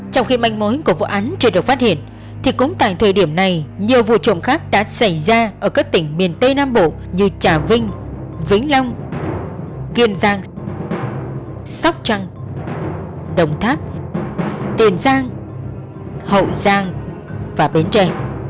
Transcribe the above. trong khi manh mối của vụ án chưa được phát hiện thì cũng tại thời điểm này nhiều vụ trộm khác đã xảy ra ở các tỉnh miền tây nam bộ như trà vinh vĩnh long kiên giang sóc trăng đồng tháp tiền giang hậu giang và bến tre